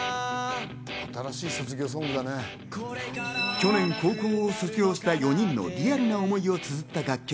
去年、高校を卒業した４人のリアルな思いをつづった楽曲。